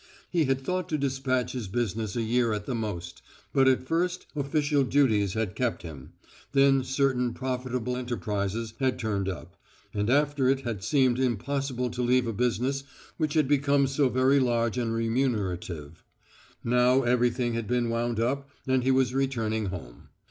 He had thought to dispatch his business in a year at the most, but at first official duties had kept him, then certain profitable enterprises had turned up, and after it had seemed impossible to leave a business which had become so very large and remunerative. Now everything had been wound up and he was returning home.